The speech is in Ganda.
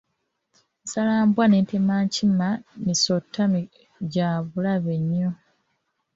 Essalambwa n'ettemankima misota gya bulabe nnyo.